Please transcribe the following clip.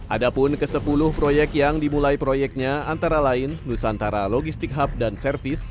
ada pun ke sepuluh proyek yang dimulai proyeknya antara lain nusantara logistik hub dan service